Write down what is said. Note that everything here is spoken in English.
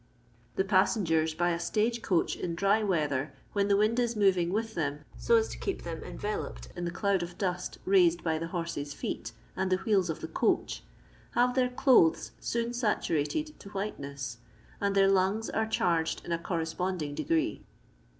The passengers by a stage coach in dry weather, when the wind h moving with them so as to keep them enveloped in the cloud of dust raised by Uie horses* feet and the wheels of the coach, have their clothes soon saturated to white ness, and their lungs are charged in a correspond inff degree.